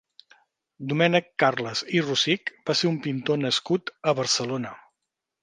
Domènec Carles i Rosich va ser un pintor nascut a Barcelona.